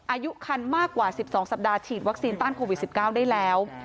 อายุคันมากกว่า๑๒สัปดาห์ฉีดวัคซีนต้านโควิด๑๙ได้แล้ว